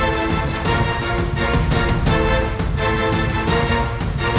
kau benar maesha